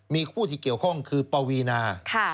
มีคู่ที่เกี่ยวข้องคือปวีนา